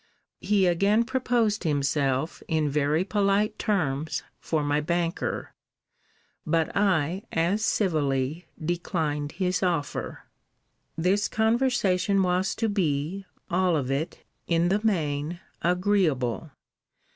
He again proposed himself, in very polite terms, for my banker. But I, as civilly, declined his offer. This conversation was to be, all of it, in the main, agreeable.